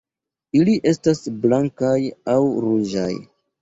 Ili estas blankaj aŭ ruĝaj.